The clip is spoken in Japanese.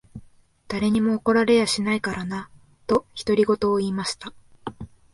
誰にも怒られやしないからな。」と、独り言を言いました。